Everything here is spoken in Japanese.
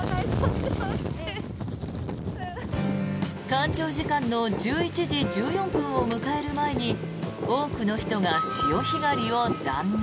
干潮時間の１１時１４分を迎える前に多くの人が潮干狩りを断念。